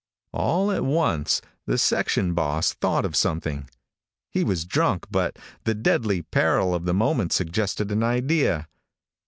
All at once the section boss thought of something. He was drunk, but the deadly peril of the moment suggested an idea.